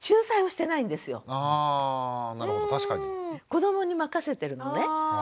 子どもに任せてるのね。